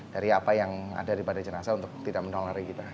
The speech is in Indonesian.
dari apa yang ada daripada jenazah untuk tidak menulari kita